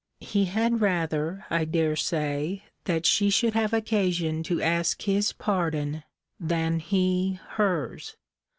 He had rather, I dare say, that she should have occasion to ask his pardon than he her's.